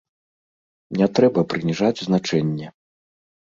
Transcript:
Не трэба прыніжаць значэнне.